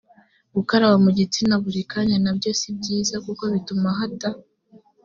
gukaraba mu gitsina buri kanya na byo si byiza kuko bituma hata